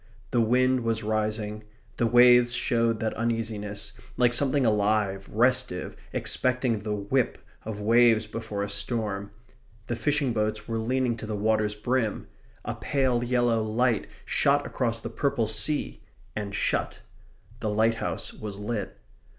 The wind was rising. The waves showed that uneasiness, like something alive, restive, expecting the whip, of waves before a storm. The fishing boats were leaning to the water's brim. A pale yellow light shot across the purple sea; and shut. The lighthouse was lit.